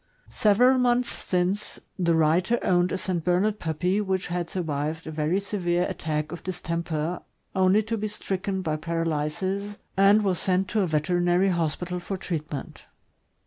Several months since, the writer owned a St. Bernard puppy which had survived a very severe attack of distemper only to be stricken by paralysis, and was sent to a veter inary hospital for treatment.